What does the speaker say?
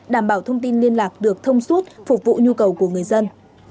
đảm bảo thông tin liên lạc được thông suốt phục vụ nhu cầu của người dân